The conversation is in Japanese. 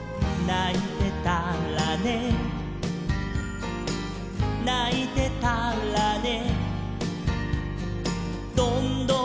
「ないてたらねないてたらね」